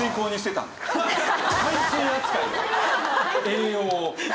栄養を。